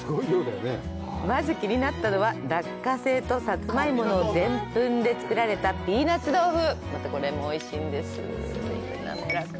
まず気になったのは落花生とサツマイモのでん粉で作られたピーナッツ豆腐。